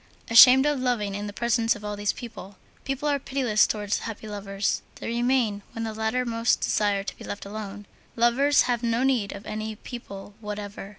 Ashamed of loving in the presence of all these people. People are pitiless towards happy lovers; they remain when the latter most desire to be left alone. Lovers have no need of any people whatever.